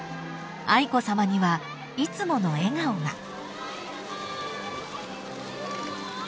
［愛子さまにはいつもの笑顔が］